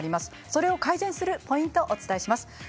それを改善するポイントをお伝えします。